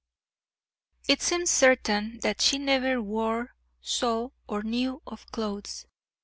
It seems certain that she never wore, saw, nor knew of, clothes.